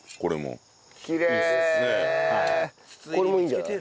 これもいいんじゃない？